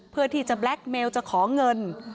เพื่อที่จะแล็คเมลจะขอเงิน